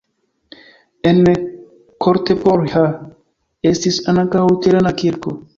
En Kortepohja estis ankaŭ luterana kirko.